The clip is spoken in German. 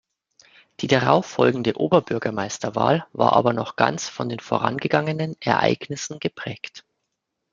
Die darauf folgende Oberbürgermeisterwahl war aber noch ganz von den vorangegangenen Ereignissen geprägt.